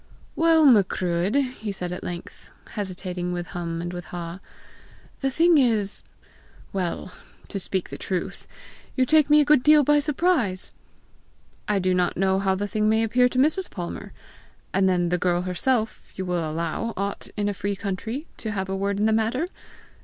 "Well, Macruadh," he said at length, hesitating with hum and with haw, "the thing is well, to speak the truth, you take me a good deal by surprise! I do not know how the thing may appear to Mrs. Palmer. And then the girl herself, you will allow, ought, in a free country, to have a word in the matter!